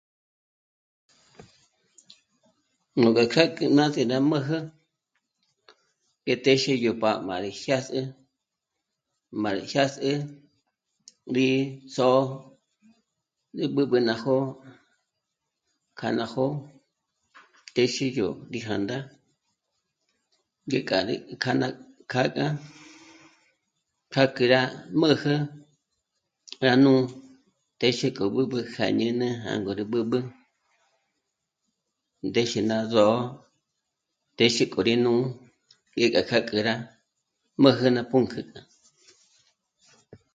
Nú gá kja k'a mbás'í ná m'ä̀jä dyé téxe yo pájm'a jyä̀ gí jyás'ü malchjás'ü rí só'o rí b'ǚb'ü ná jó'o kja ná jó'o kjë́zhi yó rí jā̂ndā ngé kja rí kjá'a k'âga kjákjü rá m'ä̀jä rá nú téxi kja b'üb'ü kja jñíni jângo rí b'ǚb'ü ndéxe ná zò'o téxi k'o rí nù'u rí gá kjâkjü rá m'ä̀jä ná pǔnk'ü